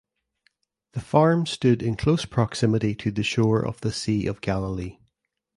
The farm stood in close proximity to the shore of the Sea of Galilee.